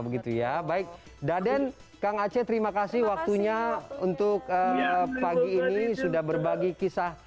begitu ya baik daden kang aceh terima kasih waktunya untuk pagi ini sudah berbagi kisah